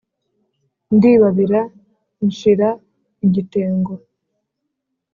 ndibabira nshira igitengo